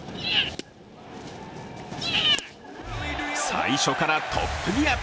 最初からトップギア。